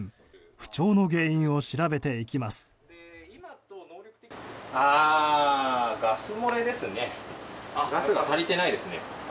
不調の原因を調べていきます。